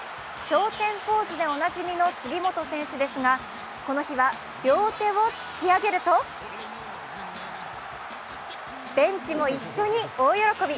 昇天ポーズでおなじみの杉本選手ですがこの日は両手を突き上げるとベンチも一緒に大喜び。